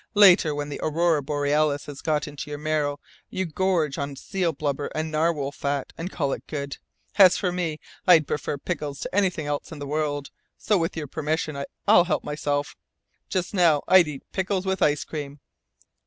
Later, when the aurora borealis has got into your marrow, you gorge on seal blubber and narwhal fat and call it good. As for me, I'd prefer pickles to anything else in the world, so with your permission I'll help myself. Just now I'd eat pickles with ice cream."